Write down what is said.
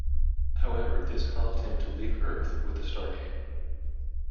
However, this caused him to leave Earth with the Stargate.